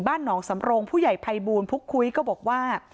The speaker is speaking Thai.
บ้านหนองสำรงผู้ใหญ่ภัยบูรณ์พุกคุยก็บอกว่า